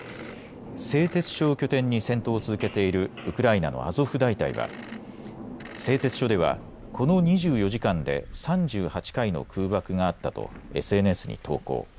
製鉄所を拠点に戦闘を続けているウクライナのアゾフ大隊は製鉄所ではこの２４時間で３８回の空爆があったとＳＮＳに投稿。